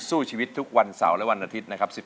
สู้ชีวิตทุกวันเสาร์และวันอาทิตย์นะครับ